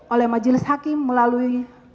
oleh majelis hakim melalui